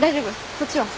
そっちは？